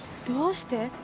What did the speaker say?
どうして？